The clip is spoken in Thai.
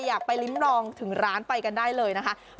ร้านบุรีเองไปไปได้เลย